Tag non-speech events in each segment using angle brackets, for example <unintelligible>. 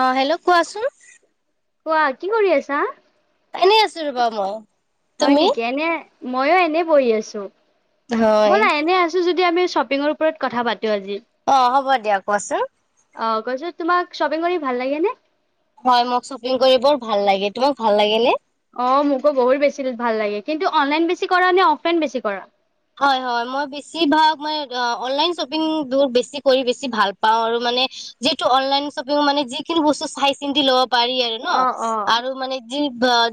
আহ হেল্ল' কোৱাচোন কোৱা কি কৰি আছা। এনেই আছো ৰবা মই হয় তুমি নেকি এনে মইয়ো এনে বহি আছো হয় ব'লা এনে আছো যদি আমি শ্বপিঙৰ ওপৰত কথা পাতো আজি অ হ'ব দিয়া কোৱাচোন অ কৈছ তোমাক শ্বপিং কৰি ভাল লাগে ন হয় মোক শ্বপিং কৰি বৰ ভাল লাগে তোমাক ভাল লাগে নে অ মোকো বহুত বেছি ভাল লাগে কিন্তু অনলাইন বেছি কৰা নে অফলাইন বেছি কৰা হয় হয় মই বেছিভাগ মানে অ অনলাইন শ্বপিং বহুত বেছি কৰি বেছি ভাল পাওঁ আৰু মানে যিহেতু অনলাইন শ্বপিং মানে যিখিনি বস্তু চাই চিন্ত লও পাৰি আৰু ন অ' অ' আৰু মানে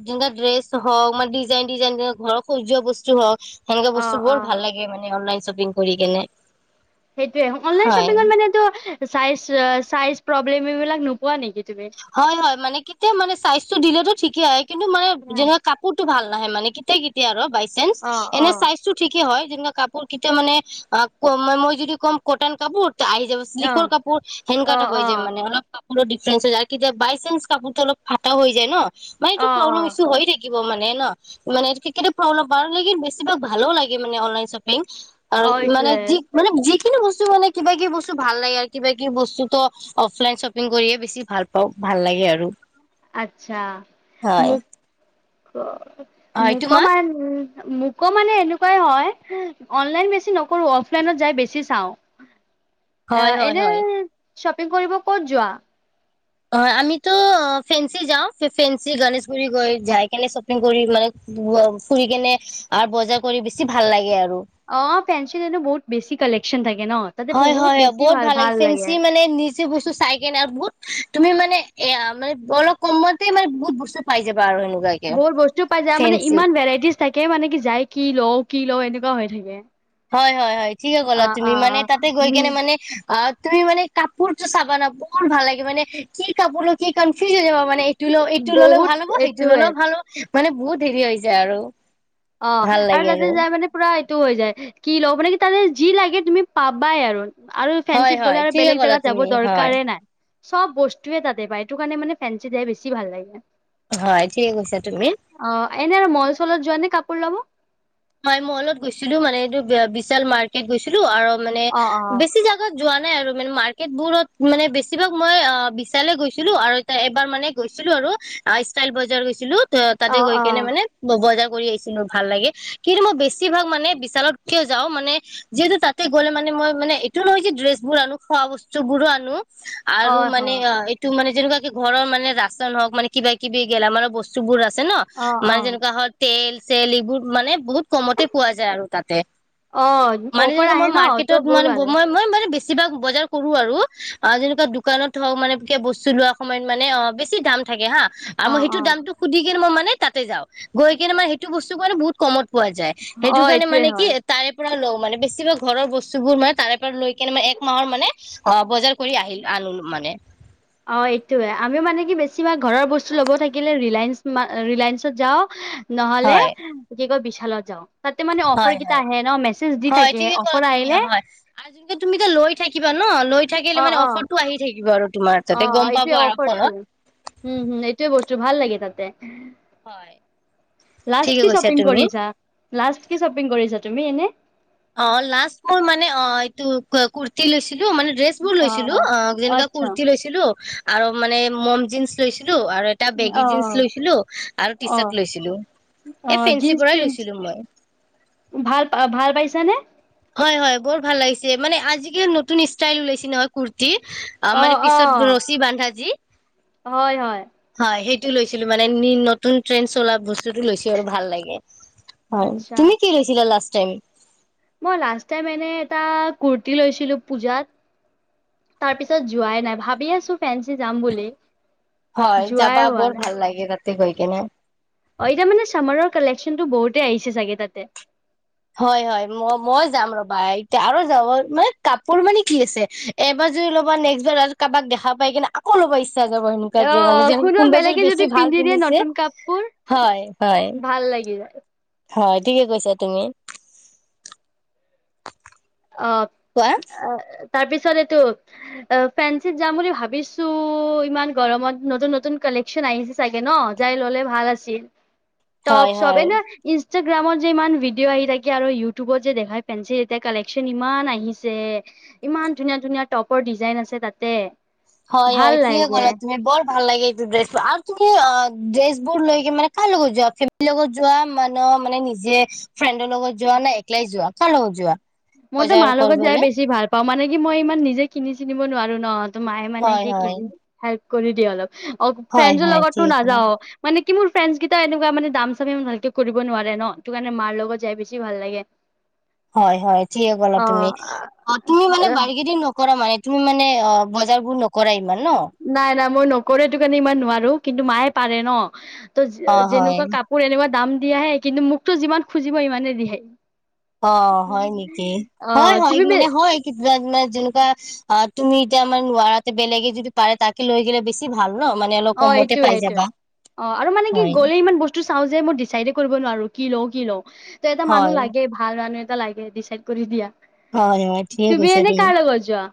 যেনকা ড্ৰেছ হওক মান ডিজাইন ডিজাইন যে ঘৰ সজোৱা বস্তু হওক অ' বৰ অ' ভাল লাগে মানে অলাই শ্বপিং কৰি কিনে সেইটোয়ে অনলাইন শ্বপিঙত মানেটো চাইজ চাইজ প্ৰব্লেম এইবিলাক নোপোৱা নেকি তুমি? হয় হয় মানে কেতিয়া মানে চাইজটো দিলেতো ঠিকে আহে কিন্তু মানে অ' যেনে কাপোৰটো ভাল লাহে মানে কেতিয়া কেতিয়া আৰু বাইছ অ' এনে অ' চাইজটো ঠিকে হয় যেনে কাপোৰ কিতা মানে অ ক মই যদি কম কটন কাপোৰ আহি যাব চিল্কৰ অ' কাপোৰ হেনকা টাইপ হৈ যায় অ' মানে অলপ বহুত ডিফেঞ্চছ হৈ যায় কেতিয়া বাই চেঞ্চ কাপোৰতটো অলপ ফাটা হৈ যায় ন মানে এইটো অ' প্ৰব্লেম অ' ইচ্যু হৈ থাকে থাকিব মানে ন মানে কেইটা বেছি ভাগ ভাল লাগে মানে অনলাইন ছপিং ভাল অ' লাগ মানে এইটোয়ে যি মানে যি বস্তু মানে কিবা কিবি বস্তু ভাল লাগে আৰু কিবা কি বস্তুতো অফলাইন শ্বপিং কৰিয়ে বেছি ভাল ভাল লাগে আৰু আচ্ছা মোক হয় অ তোমাক? মোকমান মোক মোকো মানে এনেকুৱাই হয় অনলাইন বেছি নকৰোঁ অফলাইনত যাই বেছি চাওঁ হয় অহ হয় এনেই হয় শ্বপিং কৰিব ক'ত যোৱা অ আমিতো ফেসি যাওঁ ফেসি গনেশগুৰি গৈ যাই কেনে শ্বপিং কৰি মানে ফুৰি কেনে আৰু বজাৰ কৰি বেছি ভাল লাগে আৰু অ ফেনঞ্চি এনে বহুত বেছি কালেক্ চিন থাকে ন তাতে হয় বহুত হয় হয় বেছি বহুত ভাল লাগে ফেঞ্চি মানে নিজে বস্তু চাই কেনে আৰু বহুত তুমি মানে এয়া মানে অলপ কমতে মানে বহুত বস্তু পাই যাব বহুত বস্তু পাই যায় মানে ইমান ভেৰাইটিজ থাকে মানে কি যায় কি লওঁ কি লওঁ এনেকুৱা হৈ থাকে হয় হয় হয় ঠিকে অ ক'লা অ তুমি মানে তাতে গৈ উম কেনে মানে আহ। তুমি মানে কাপোৰতটো চাবান বহুত ভাল লাগে মানে কি কাপোৰ কি কনফিউজন যাবা মানে মানে এইটো ল এইটো ললেও বহুত ভাল হব সেইটো এইটোয়ে ল'লেও ভাল হ'ব মানে বহুত হেৰি হৈ যায় আৰু অ ভাল আৰু লাগে তাতে যাই মানে পুৰা টো হৈ যায় কি লও মানে কি তাৰে যি লাগে তুমি পাবাই আৰু আৰু হয় ফেঞ্চিত গ'লে হয় আৰু ঠিকে বেলেগ ক'লা জেগাত যাব তুমি হয় দৰকাৰেই নাই চব বস্তুৱয়ে তাতে পায় এইটো কাৰণে মানে ফেঞ্চি যায়ে বেছি ভাল লাগে হয় ঠিকে কৈছা তুমি অ এনে আৰু মল চলত যোৱা নে ওলাব মই মলত গৈছিলোঁ মানে এইটো বিশাল মাৰ্কেট গৈছিলোঁ আৰু মানে অ অ বেছি জাগাত যোৱা নাই আৰু মে মাৰ্কেট বোৰত মানে বেছিভাগ মই বিশালে গৈছিলোঁ আৰু এ এবাৰ মানে গৈছিলোঁ আৰু ষ্টাইল বজাৰ গৈছিলোঁ অ তাতে গৈ কেনে মানে ব বজাৰ কৰি আহিছিলোঁ ভাল লাগে কিন্তু মই বেছিভাগ মানে বিশচালতকে যাওঁ মানে যিহেতু তাতে গ'লে মানে মই মানে এইটো নহয় যে ড্ৰেছবোৰ আনো খোৱা বস্তু বোৰো আনো। অ আৰু মানে অ এইটো মানে যেনেকুৱা কে ঘৰ মানে ৰাচন হওক, বা কিবা কিবি গেলামানৰ বস্তুবোৰ আছে। আছে ন অ অ অ যেনেকুৱা তেল তেল এইবোৰ মানে বহুত কমতে পোৱা যায় আৰু তাতে, অ মানে অফাৰ যেনেকে আহে মই ন ত মাৰ্কেটত বহুত মানে ভাল লাগে মই মই মানে। বেছিভাগ বজাৰ কৰো আৰু অ যেনেকুৱা দোকানত হওক মানে বস্তু লোৱা সময়ত মানে অ বেছি দাম থাকে হা। আৰু অ মই অ সেইটো দামটো সুধি কেনে মই মানে। তাতে যা গৈ কিনে মানে সেইটো বস্তু মে বহুত কমত পোৱা যায় অ সেইটো কাৰণে এইটোয়ে মানে কি হয় তাৰে পৰা লওঁ। মানে বেছিভাগ ঘৰৰ বস্তুবোৰ মানে তাৰে পৰা লৈ মানে এক মাহৰ মানে বজাৰ কৰি আহিল আনো মানে অ এইটোবে আমিও মানে কি বেছি। বেছিভাগ ঘৰৰ বস্তু ল'ব থাকিলে ৰিলায়েন্স মা ৰিলায়েন্সত যাওঁ নহলে, হয় কি কয় বিচ বিশালত যাওঁ। তাতে মানে অফাৰ হয় কেইটা হয়, আহে ন মেছেজ দি হয় থাকে ঠিকে ক অফাৰ তুমি আহিলে হয় আ তুমি যে লৈ থাকিবা ন লৈ থাকিলে অ মানে অ অফাৰটো আহি থাক কিব আৰু তোমাৰ তাতে অ গম পাব এইটোৱে আৰু ফোনত অফাৰটো, হম এইটোৱে বস্ত ভাল লাগে তাতে। হয়। লাষ্ট ঠিকে কি কৈছা শ্বপিং তুমি কৰিছা? লাষ্ট কি শ্বপিং কৰিছা, তুমি এনে? অ লাষ্ট মোৰ মানে অ এইটো কুৰ্তি লৈছিলোঁ ছিলো মানে ড্ৰেছ বোৰ লৈছিলো, অ যেনেকা আচ্ছা কুৰ্তি লৈছিলো আৰু মানে ম'ম জিনন্ছ লৈছি লো আৰু এটা বেগি অ জিন্স লৈছিলো, আৰু টি অ অ চাৰ্ট লৈছিলো, অ এই ফেঞ্চিৰ জীন্স পৰাই পেন্ট লৈছিলো মই। ভাল ভাল পাইছানে হয় হয়, বৰ ভাল লাগিছে। মানে আজিকালি নতুন ষ্টাইল ওলাইছে নহয় কুৰ্তী। অ মানে পিছত ৰছী বান্ধা যি। হয় হয়। সেইটো লৈছিলো মানে, নি নতুন ট্ৰেন্ড চলা বস্তুটো লৈছো আৰু ভাল লাগে। অ, আচ্ছা তুমি কি লৈছিলা লাষ্ট? টাইম মই লাষ্ট টাইম এনে এটা কুৰ্টি লৈছিলো পুজাত, তাৰ পিছত যোৱাই নাই ভাবি আছো ফেঞ্চি যাম বুলি। হয়, যোৱাই যাবা হোৱা বৰ নাই ভাল লাগে তাত তে গৈ কেনে। অ এতিয়া মানে চামাৰৰ কালেকশ্যন টো বহুতে আহিছে চাগে তাতে। হয় হয় ম-মই যাম ৰবা, এতিয়া আৰু যাব মানে কাপোৰ মানে কি আছে, এবাৰ যদি ল'বা নেক্সবাৰ কাবাক দেখা পাই কিনে আকৌ লবা ইচ্ছা চ্ছা যাব অ সেনেকুৱাকে মানে যেনে কোনোবা কোনবা যদি বেলেগে বেছি ভাল পিন্ধি দিয়ে পিন্ধিছে, নতুন কাপোৰ হয় হয়। ভাল লাগি যায় হয়, ঠিকে কৈছা তুমি। অ, কোৱা আ-আহ তাৰ পিছত এইটো, আ ফেঞ্চিত যাম বুলি ভাবিছো ইমান গৰমত নতুন নতুন কালেকচন আহিছে চাগে ন, যাই ললে ভাল আছিল। টপ হয় চপ, হয় এনে ইচ ইনষ্টাগ্ৰামত যে ইমান ভিডিঅ আহি থাকে আৰু ইউটিউবত যে দেখাই ফেঞ্চিল এতিয়া কালেকচন ইমান আহিছে, ইমান ধুনীয়া ধুনীয়া টপৰ ডিজাইন আছে তাতে হয় ভাল হয়, ঠিকে লাগে কলা তুমি বৰ ভাল লাগে এইটো ড্ৰেছবোৰ আৰু তুমি অ ড্ৰেছ বোৰ লৈকে মানে কাৰ লগত যোৱা ফেমিলি লগত যোৱা মানহ মানে নিজে? ফ্ৰেণ্ডৰ লগত যোৱা নে একলাই যোৱা? কাৰ লগত যোৱা? মোৰ তো বজাৰ মাৰ লগত যাই কৰিবলে বেছি ভাল পাওঁ মানে। মই ইমান নিজে কিনি চিনিব নোৱাৰো ন। ত মায়ে মানে হয় কি। হয় কৰি দিয়া অলপ। অ, হয় ফেনচৰ হয় লগতো ঠিকে ক'লা নাযাও মানে। কি মোৰ ফ্ৰেড কেইটা এনেকুৱা মানে দাম চামি ভালকে কৰিব নোৱাৰে ন, তটো কাৰণে মাৰ লগত যাই বেছি ভাল লাগে। হয় হয় ঠিকে ক'লা তুমি, অ তুমি মানে অ বাৰগেদিঙ নকৰা? কাৰ মানে তুমি মানে অ বজাৰ বোৰ নকৰাই। ইমান ন? নাই নাই মই নকৰে তটো কাৰণে ইমান নোৱাৰো কিন্তু মায়ে পাৰে ন। অ ত, হয় যেনেকুৱা কাপোৰ এনেকুৱা দাম। দিয়াহে কিন্তু মোকতো যিমান খুজিব সিমানে দি আহিম। অ, হয় নেকি? হয় হয় তুমি মানে হয়। মানে যেনেকুৱা তুমি এতিয়া আমাৰ নোৱাৰাতে বেলেগে যদি পাৰে তাকে লৈ গিললে বেছি ভাল। ন মানে অলপ অ, কমতে এইটোয়ে পাই যাবা এইটোয়ে অ আৰু মানে কি হয় গ'লে ইমান বস্তু চাও যে মই ডিচাইড কৰিব নোৱাৰো কি লও কি লওঁ ত এটা মানুহ হয়, লাগে ভাল মানুহ এ। লাগে ডিচাইড কৰি দিয়া। হয়, হয় ঠিকে তুমি কৈছা এনেই কাৰ লগত জোৱা?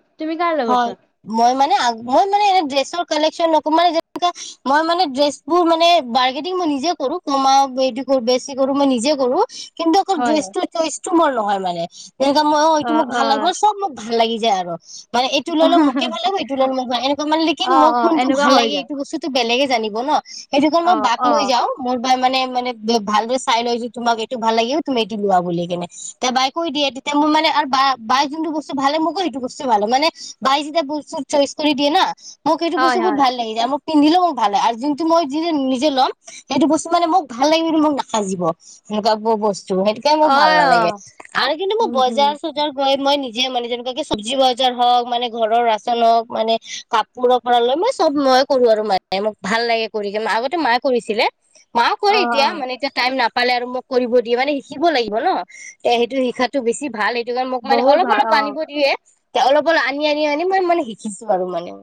হয়, মই মানে মই মানে এনে ড্ৰেছ। কালেকচন অকমান যেনে কোৱা মই মানে বাৰগেদিঙ মানে মই নিজে কৰো, কোনোবা টো কম বেছি মই নিজে কৰো। কিন্তু অকল হয় হয় ড্ৰেছটো চইচ টো মোৰ নহয় মানে। <inaudible> সেই মই অ এইটো মোক ভাল লাগে মই চব মোক ভাল। ভাল লাগি যায় আৰু। মানে এইটো ল'ল মোকে ভাল লাগ এইটো ল' মোক এনেকুৱ মানে অ মোক অ কোনটো ট এনেকুৱা ভাল হৈ লাগে যায় এইটো বস্তুটো বেলেগে। জানিব ন। সেইটো কাৰণে অ মই বাক অ লৈ যাও মোৰ বা মানে। মানে ভালদৰে চাই লয় যে তোমাক এইটো ভাল লাগে তুমি এটো লোৱা বুলি কেনে, তেতিয়া বাই কৈ দিয়ে তেতিয়া মই মানে আৰু বা বাই যোনটো বস্তু ভালে মোক কয় সেইটো বস্তুে ভাল লাগে। মানে বাই যেতিয়া বস্তুৰ চইচ কৰি দিয়ে ন। মোক এইেইটো বস্তু হয় বহুত হয় ভাল লাগি যায় মোৰ। পিন্ধিলেও মোক ভাল লাগে আৰু যোনটো মই য নিজে ল'ম সেইটো বস্তু মানে মোক ভাল লাগিব মোক নাখাজিব সেনেকোৱা ব বস্তু। সেইটোকে মোৰ অ ভাল নালাগে অ আৰু কিন্তু মই উম হম বজাৰ চজাৰ গৈ। মই নিজে মানে যে কে চব্জি লয় <unintelligible> বজাৰ হক, মানে ঘৰৰ ৰাচন হওক, মানে কাপোৰৰ পৰা লৈ, মই চব মইে কৰো আৰু মানে মোক ভাল লাগে কৰি কিনে, আগতে মায়ে কৰিছিলে। মা কৰে অ এতিয়া, অ মানে এতিয়া টাইম নাপায় পালে আৰু মোক কৰিব দিয়ে, মানে শিকিব লাগিব ন, তে সেইটো শিকাটো বেছি ভাল সেইটো কাৰণে মোক মানে বহুত ভাল অলপ-অলপ অ বানিব দিয়ে। তে অলপ-অলপ, আনি-আনি-আনি মই মানে শিকিছো আৰু মানে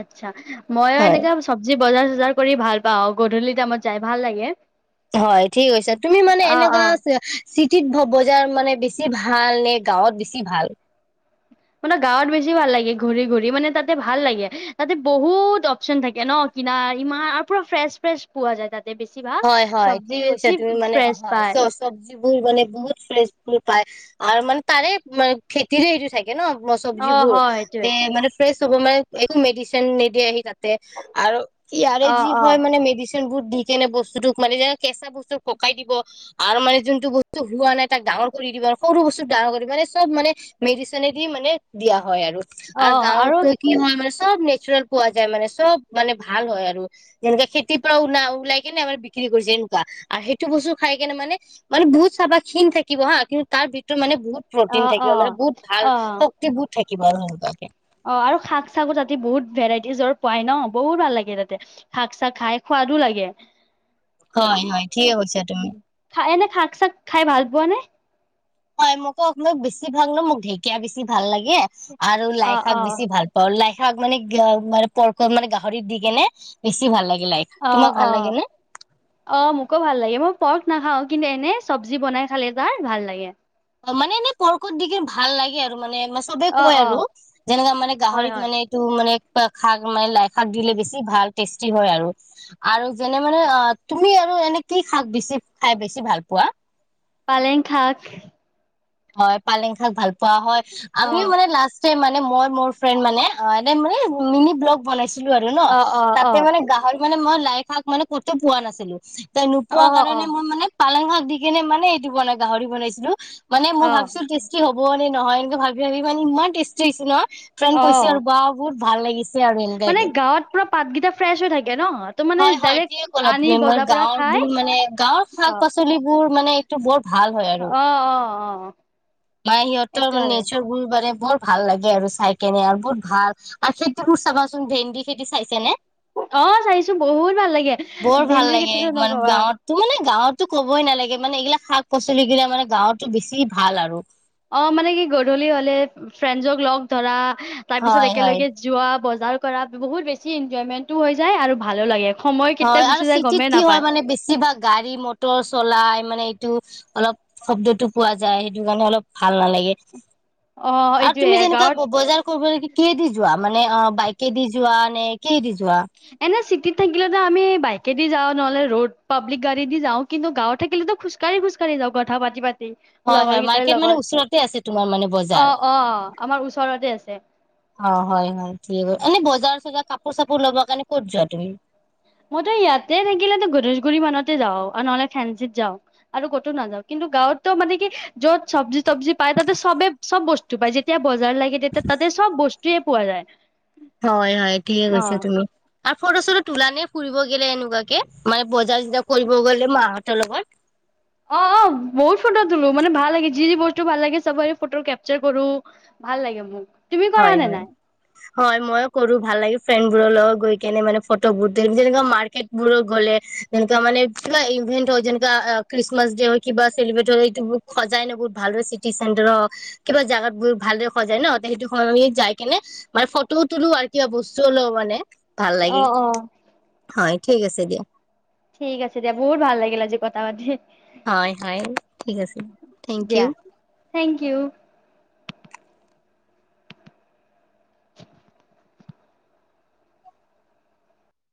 আচ্ছা, মইো হয়। এনেকে চব্জি বজাৰ-চজাৰ কৰি ভাল পাওঁ, গধূলি টাইমত যাই ভাল লাগে। হয় ঠিক হৈছে, তুমি মানে অ', এনেকা অ'। আ চিটিত বজাৰ মানে বেছি ভাল নে গাঁৱত বেছি ভাল? মানে গাঁৱত বেছি ভাল লাগে, ঘূৰি-ঘূৰি মানে তাতে ভাল লাগে, তাতে বহুত অপচন থাকে ন, কিনাৰ ইমান আৰু পুৰা ফ্ৰেছ-ফ্ৰেছ পোৱা যায় তাতে বেছিভাগ হয়-হয়, চব্জি ঠিক বেছি কৈছা তুমি মানে, ফ্ৰেছ হয় পায় চবজি মানে বহুত ফ্ৰেচ ফুল পায়, আৰু মানে তাৰে ম খেতিৰে সেইটো ছাগে। থাকে ন অকমান অ', চব্জিবোৰ, হয় সেইটোৱে। তে মানে ফ্ৰেছ হ'ব মানে, একো মেডিচিন নিদিয়ে সি তাত আৰু ইয়াৰে অ', যি হয় অ'। মানে মেডিচিন বুদ্ধি কেনে বস্তু বস্তুটো মানে যে কেঁচা বস্তু পকাই দিব আৰু মানে যোনটো বস্তু হোৱা নাই তাক ডাঙৰ কৰি দিব, সৰু বস্তুত ডাঙৰ কৰি মানে চব মানে মেডিচনে দি মানে দিয়া হয় হয় আৰু, আৰু গাঁৱতো কি হয় আমাৰ চব নেচাৰেল পোৱা যায়, মানে চব মানে ভাল হয় আৰু, যেনেকােৱা খেতিৰ পৰা ওল-ওলাই কেনে আমাৰ বিক্ৰী কৰিছে এনেকুৱা আৰু সেইটো বস্তু খাই কেনে মানে-মানে বহুত চাবাহ ক্ষীণ থাকিব হা, কিন্তু তাৰ ভিতৰত মানে বহুত প্ৰটিন অ', থাকিব, মানে অ'। বহুত ভাল অ', শক্তি বহুত থাকিব। কিমান ঘন্টাতাকে? অ, আৰু শাক-চাকো তাতে বহুত ভেৰাইটিজৰ পাই ন, বহুত ভাল লাগে তাতে, শাক-চাক খাই সোৱাদো লাগে। হয়-হয় ঠিকে কৈছা তুমি। শাক-চাক খাই ভাল পোৱা নে? হয়, মোকো-মোক বেছি ভাল ন, মোক ঢেকীয়া বেছি ভাল লাগে। আৰু অ', লাই-শাক অ'। বেছি ভাল পাওঁ, লাই শাক মানে <unintelligible> পৰ্কত মানে গাহৰিত দি কেনে বেছি ভাল লাগে। লাই শাক তোমাক ভাল লাগে নে? অ-অ-অ, মোকো ভাল লাগে, মোক পৰ্ক নাখাওঁ, কিন্তু এনে চব্জি বনাই খালে তাৰ ভাল লাগে। অ, মানে এনে পৰ্কত দি কিনে ভাল লাগে আৰু মানে চবে অ কয় অ আৰু, যেনেকা মানে হয় গাহৰিত হয় মানে, এইটো মানে লাইশাক, মানে লাইশাক দিলে বেছি ভাল টেষ্টি হয় আৰু-আৰু যেনে, মানে তুমি আৰু এনে কি শাক বেছি খাই বেছি ভাল পোৱা? পালেং শাক। হয় পালেং শাক ভাল খোৱা হয়, অ আমিও মানে লাষ্ট মানে মই মোৰ ফ্ৰেণ্ড মানে অ এ মানে মিনি ব্লগ বনাই ছিলো আৰু ন অ অ অ তাতে মানে গাহৰি মানে মই লাই শাক মানে কতো পোৱা নাছিলো তাই অ নোপোৱা অ কাৰণে মই মানে পালেং শাক দি কেনে মানে এইটো বনাই গাহৰি বনাইছিলো। মানে মই অ ভাবছোঁ টেষ্টি হ'ব নে - নহয় এনেকে ভাবি ভাবি মানে ইমান টেষ্টি লাগিছে ন। ফ্ৰেণ্ড অ কৈছি আৰু বাৱ বহুত ভাল লাগিছে আৰু এনেকুৱাকে। পাত গিটা ফ্ৰেছ হৈ থাকে ন ত মানে হয় হয় ডাইৰেক্ট থিকে ক'লা আনি তুমি মই বজাৰ পৰা গাঁৱৰ খাই বোৰ মানে গাঁৱৰ শাক পাচলিবোৰ মানে এইটো বৰ অঁ অঁ অঁ। অ মায়ে সিহঁতৰ মানে নেচাৰবোৰ মানে বৰ ভাল লাগে আৰু চাই কেনে আৰু বহুত ভাল আৰু খেতিবোৰ চাবাচোন ভেন্দি খেতি চাইছে নে। অঁ চাইছোঁ বহুত ভাল লাগে বৰ ভেন্দিৰ খেতিতো নকবা। টো ক'বই নেলাগে মানে এইগিলাক শাক-পাচলি গিলা মানে গাঁৱতো বেছি ভাল আৰু। অঁ মানে কি গধূলি হ'লে ফ্ৰেণ্ডজক লগ ধৰা। তাৰ পিছত হয় হয় একেলগে যোৱা। বজাৰ কৰা বহুত বেছি এনজয়মেণ্টটো হৈ যায় আৰু ভালো লাগে। সময় কেতিয়া হয় আৰু গুচি যায় চিটিত গমেই কি হয় নাপায় মানে বেছিভাগ গাড়ী মটৰ চলাই মানে টো অলপ শব্দটো পোৱা যায়, সেইটো কাৰণে অলপ ভাল নালাগে। অ আৰু এইটোয়ে তুমি যেনেকা গাঁৱত বজাৰ কৰিব কিহে দি যোৱা মানে অ বাইকে দি যোৱা নে কিহে দি যোৱা এনে চিটি থাকিলেতো আমি বাইকেদি যাওঁ নহ'লে ৰোড, পাব্লিক গাড়ী দি যাওঁ কিন্তু গাঁৱত থাকিলেতো খোজকাঢ়ি খোজকাঢ়ি যাওঁ কথা পাতি পাতি হয় লগৰ হয় কেইটাৰ মাৰ্কেট মানে লগত ওচৰতে আছে তোমাৰ মানে অ বজাৰ অ আমাৰ ওচৰতে আছে অ হয় হয় থিকে ক এনে বজাৰ জাৰ কাপোৰ চাপোৰ ল'ব কাৰণে ক'ত যোৱা তুমি মইতো ইয়াতে থাকিলেতো গনেশ গুৰি মানতে যাওঁ আৰু নহ'লে ফেঞ্চিত যাওঁ আৰু ক'তো নাযাও কিন্তু গাঁৱতটো মানে কি য'ত চবজি তবজি পাই তাতে চবে চব বস্তু পায় যেতিয়া বজাৰ লাগে তেতিয়া তাতে চব বস্তু টোৱে পোৱা যায় হয় হয় ঠিকে অ কৈছা তুমি আৰু ফটো চটো তোলা নে ফুৰিব গেলে এনেকুৱাকে মানে বজাৰ চজাৰ কৰিব গ'লে মাহঁতৰ লগত অঁ অঁ বহুত ফটো তলো মানে ভাল লাগে যি যি বস্তু ভাল লাগে চবৰে ফটো কেপচাৰ কৰো ভাল লাগে মোক। তুমি কৰা হয়, নে হয়, নাই হয়, ময়ো কৰো ভাল লাগি। ফ্ৰেণ্ডবোৰৰ লগত গৈ কেনে মানে ফটোবোৰ যেনেকুৱা মাৰ্কেট বোৰ গ'লে যেনেকুৱা মানে কিবা ইভেন্ট হওঁক যেনেকা খ্ৰীষ্টমাছ ডে হ কিবা চিব্ৰেট হ এইবোৰ সজাই ন বহুত ভালৰে চিটি চেটাৰ হও কিব জাগাতাবোৰ ভালৰে সজায় ন সেইটো স যাই কেনে মানে ফটোও তোুলো আৰু কিবা বস্তু লওঁ মানে ভাল অ লাগে অ হয়। ঠিক আছে দিয়া। ঠিক আছে দিয়া বহুত ভাল লাগিল আজি কথা পাতি। হয় হয় ঠিক আছে থেংক ইউ। দিয়া থেংক ইউ।